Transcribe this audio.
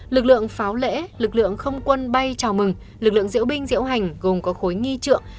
lực lượng pháo lễ lực lượng không quân bay chào mừng lực lượng diễu binh diễu hành gồm có khối nghi trượng